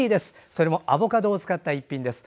それもアボカドを使った１品です。